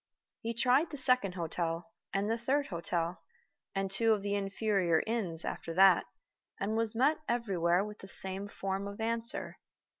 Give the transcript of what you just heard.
He tried the second hotel, and the third hotel, and two of the inferior inns after that, and was met everywhere with the same form of answer.